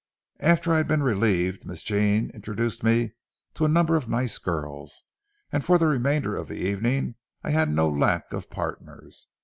After I had been relieved, Miss Jean introduced me to a number of nice girls, and for the remainder of the evening I had no lack of partners.